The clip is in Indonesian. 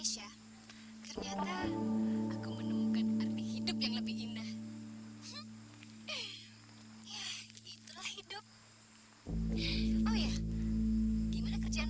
kenapa adik adikmu pada tidur di sini semua